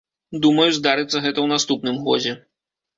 Думаю, здарыцца гэта ў наступным годзе.